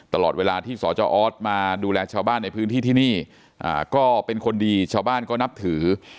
ตลอดเวลาที่สจออสมาดูแลชาวบ้านในพื้นที่ที่นี่ก็เป็นคนดีชาวบ้านก็นับถือ